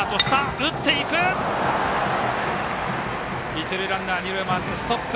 一塁ランナー、二塁でストップ。